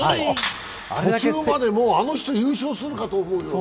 途中まで、あの人、優勝するかと思うような。